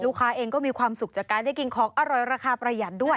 เองก็มีความสุขจากการได้กินของอร่อยราคาประหยัดด้วย